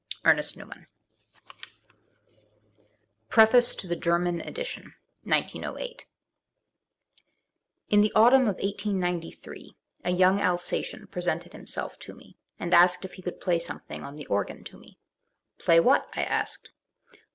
ERNEST NEWMAN PREFACE TO THE GERMAN EDITION (1%8.) In the autumn of 1893 a young Alsatian presented himself to me and asked if he could play something on the organ to me, "Play what?" I asked.